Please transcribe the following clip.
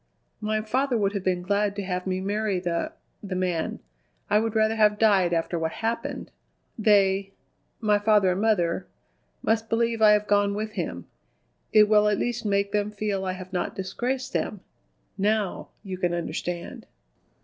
"My father would have been glad to have me marry the the man. I would rather have died after what happened! They my father and mother must believe I have gone with him. It will at least make them feel I have not disgraced them. Now you can understand!"